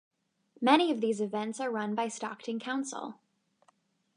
Many of these events are run by Stockton Council.